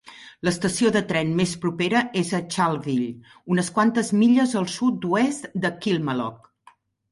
L'estació de tren més propera és a Charleville, unes quantes milles cap al sud-oest de Kilmallock.